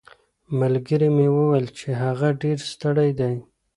ملګري مې وویل چې هغه ډېر ستړی دی.